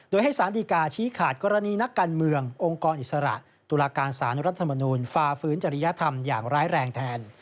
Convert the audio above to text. โดยให้สารดีกาชี้ขาดกรณีนักการเมืององค์กรอิสระตุลาการสารรัฐมนูลฝ่าฟื้นจริยธรรมอย่างร้ายแรงแทน